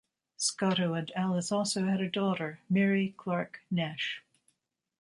Scotto and Alice also had a daughter, Mary Clark Nash.